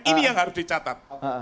ini yang harus dicatat